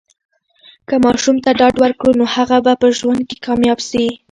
که ماشوم ته ډاډ ورکړو، نو هغه به په ژوند کې کامیاب سي.